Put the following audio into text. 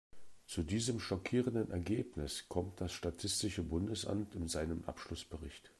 Zu diesem schockierenden Ergebnis kommt das statistische Bundesamt in seinem Abschlussbericht.